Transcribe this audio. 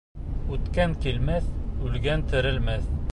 Үткән килмәҫ, үлгән терелмәҫ.